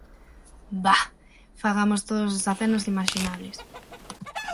Bah! Fagamos todos os acenos imaxinables.